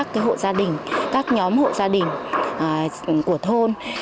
các nhóm hội gia đình các nhóm hội gia đình của thôn